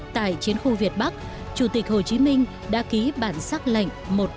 tại chiến khu việt bắc chủ tịch hồ chí minh đã ký bản sắc lệnh một trăm bốn mươi bảy